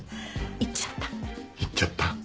言っちゃった。